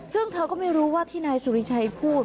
ซึ่งเธอก็ไม่รู้ว่าที่นายสุริชัยพูด